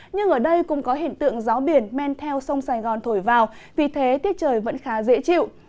nhưng ở đây cũng có hiện tượng gió biển men theo sông sài gòn thổi vào vì thế tiết trời vẫn khá dễ chịu